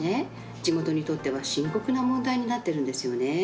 地元にとっては深刻な問題になっているんですよね。